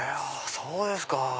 そうですか。